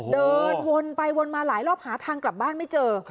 เดินวนไปวนมาหลายรอบหาทางกลับบ้านไม่เจอ